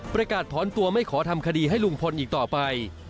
ประกาศถอนตัวไม่ขอทำคดีให้ลุงพลอีกต่อไป